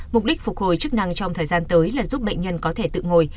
mục đích phục hồi chức năng trong thời gian tới là giúp bệnh nhân có thể tự ngồi